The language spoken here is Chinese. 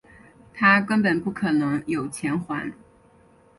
他根本不可能有钱还